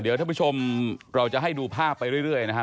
เดี๋ยวท่านผู้ชมเราจะให้ดูภาพไปเรื่อยนะฮะ